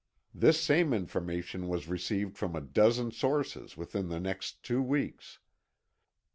This same information was received from a dozen sources within the next two weeks.